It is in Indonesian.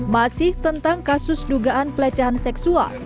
masih tentang kasus dugaan pelecehan seksual